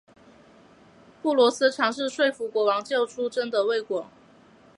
布罗斯尝试说服国王救出贞德未果。